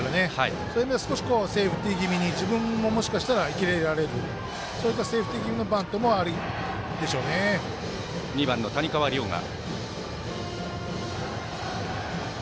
そういう意味では、少しセーフティー気味に自分ももしかしたら生きられるそういったセーフティー気味のバッター、２番の谷川凌駕。